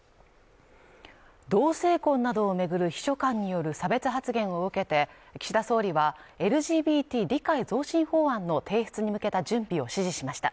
同性婚などを巡る秘書官による差別発言を受けて岸田総理はＬＧＢＴ理解増進法案の提出に向けた準備を指示しました